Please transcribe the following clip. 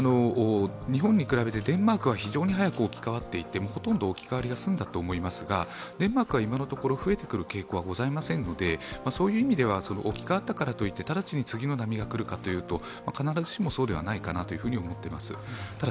日本に比べてデンマークは非常に速く進んでいて、ほとんど置き換わりが済んだと思いますが、デンマークは今のところ増えている傾向はございませんのでそういう意味では置きかわったからといって直ちに次の波が来るかというと、必ずしもそうではないと思います。